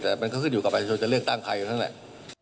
แต่มันก็ขึ้นอยู่กลับไปจะเลือกตั้งใครอยู่ทั้งแหละ